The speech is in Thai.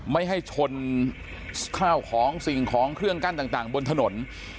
ไม่ให้ชนข้าวของสิ่งของเครื่องกั้นต่างบนถนน